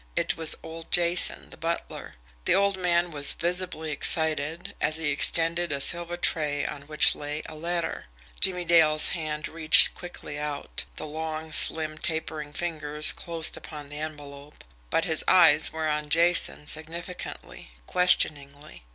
It was old Jason, the butler. The old man was visibly excited, as he extended a silver tray on which lay a letter. Jimmie Dale's hand reached quickly out, the long, slim tapering fingers closed upon the envelope but his eyes were on Jason significantly, questioningly.